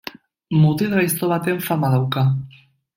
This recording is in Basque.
Mutil gaizto baten fama dauka.